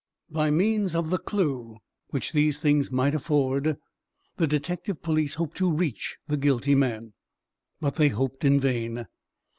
By means of the clue which these things might afford, the detective police hoped to reach the guilty man. But they hoped in vain.